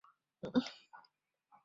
在法规与政府监管之外。